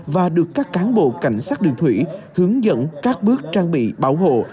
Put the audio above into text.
và được các cán bộ cảnh sát đường thủy hướng dẫn các bước trang bị bảo hộ